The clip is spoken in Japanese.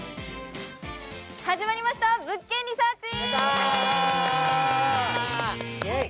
始まりました「物件リサーチ」！